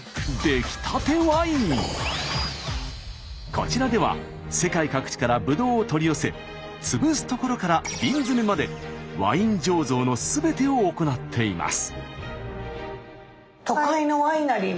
こちらでは世界各地からぶどうを取り寄せ潰すところから瓶詰めまでワイン醸造のすべてを行っています。